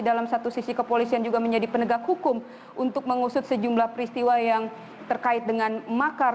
dalam satu sisi kepolisian juga menjadi penegak hukum untuk mengusut sejumlah peristiwa yang terkait dengan makar